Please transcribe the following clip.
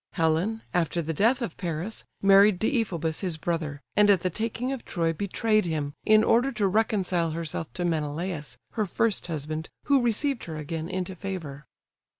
Helen, after the death of Paris, married Deiphobus his brother, and at the taking of Troy betrayed him, in order to reconcile herself to Menelaus her first husband, who received her again into favour.